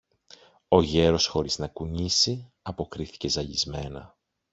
Ο γέρος χωρίς να κουνήσει, αποκρίθηκε ζαλισμένα